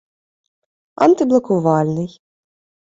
антиблокувальний